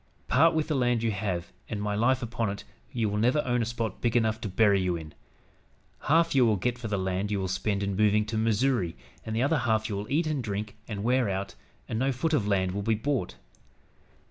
Part with the land you have and, my life upon it, you will never own a spot big enough to bury you in. Half you will get for the land you will spend in moving to Missouri, and the other half you will eat and drink and wear out, and no foot of land will be bought.